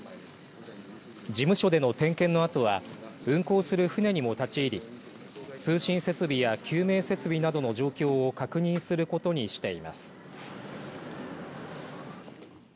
事務所での点検のあとは運航する船にも立ち入り通信設備や救命設備などの状況を確認することにしています。